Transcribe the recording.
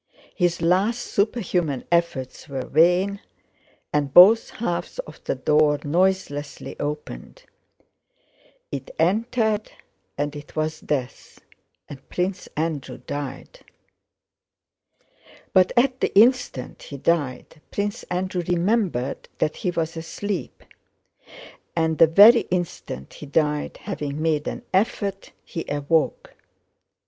His last superhuman efforts were vain and both halves of the door noiselessly opened. It entered, and it was death, and Prince Andrew died. But at the instant he died, Prince Andrew remembered that he was asleep, and at the very instant he died, having made an effort, he awoke.